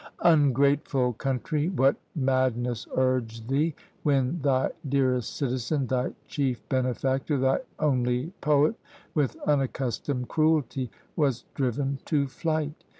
"Ungrateful country! what madness urged thee, when thy dearest citizen, thy chief benefactor, thy only poet, with unaccustomed cruelty was driven to flight!